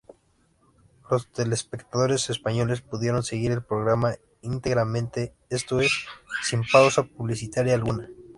Los telespectadores españoles pudieron seguir el programa íntegramente, esto es, sin pausa publicitaria alguna.